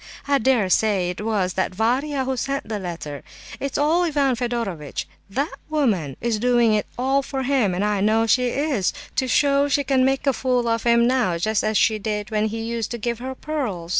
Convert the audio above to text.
I dare say it was that Varia who sent the letter. It's all Ivan Fedorovitch. That woman is doing it all for him, I know she is, to show she can make a fool of him now just as she did when he used to give her pearls.